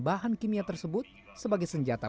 bahan kimia tersebut sebagai senjata